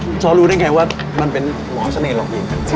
พี่เจ้ารู้ได้ไงว่ามันเป็นหมอเสน่ห์หลอกดีกัน